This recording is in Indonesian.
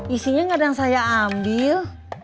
isinya gak ada yang saya ambil